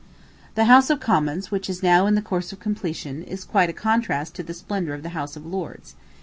The House of Commons, which is now in the course of completion, is quite a contrast to the splendor of the House of Lords.